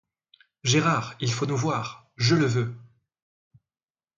Gérard, il faut nous voir, je le veux!